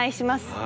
はい。